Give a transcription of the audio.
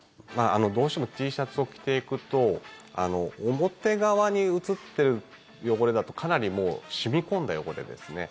どうしてもＴシャツを着ていくと表側にうつってる汚れだとかなり染み込んだ汚れですね。